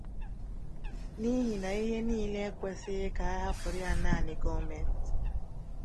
n'ihi na ihe niile ekwesighị ka a hapụrụ ya naanị gọọmentị